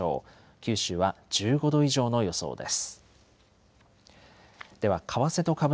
九州は１５度以上の予想です。